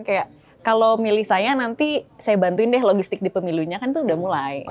kayak kalau milih saya nanti saya bantuin deh logistik di pemilunya kan tuh udah mulai